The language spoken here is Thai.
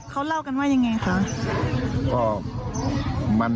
เขาเล่ากันว่ายังไงคะ